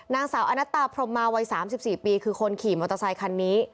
นางสาวอนัตตาพรมมาวัย๓๔ปีคือคนขี่มอเตอร์ไซคันนี้